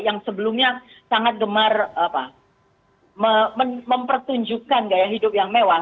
yang sebelumnya sangat gemar mempertunjukkan gaya hidup yang mewah